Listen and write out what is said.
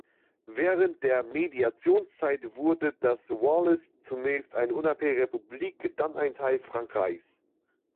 Während der Mediationszeit wurde das Wallis zunächst eine unabhängige Republik, dann ein Teil Frankreichs.